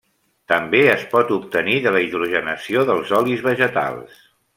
També es pot obtenir de la hidrogenació dels olis vegetals.